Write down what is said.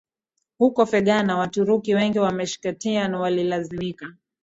huko Fergana Waturuki wengi wa Meskhetian walilazimika